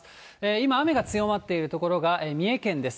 今、雨が強まっている所が三重県です。